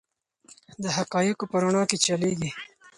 د حقایقو په رڼا کې چلیږي.